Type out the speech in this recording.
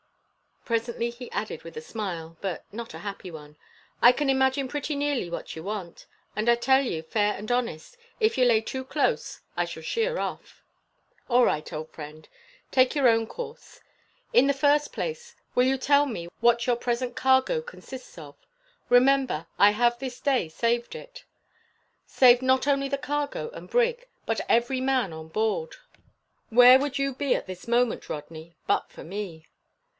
Presently he added with a smile, but not a happy one, "I can imagine pretty nearly what ye want, and I tell ye, fair and honest, if ye lay too close I shall sheer off." "All right, old friend. Take your own course. In the first place, will you tell me what your present cargo consists of? Remember, I have this day saved it saved not only the cargo and brig, but every man on board. Where would you be at this moment, Rodney, but for me?"